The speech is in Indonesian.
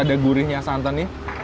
ada gurihnya santannya